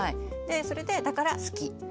それでだから好き。